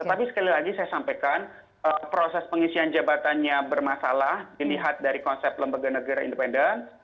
tetapi sekali lagi saya sampaikan proses pengisian jabatannya bermasalah dilihat dari konsep lembaga negara independen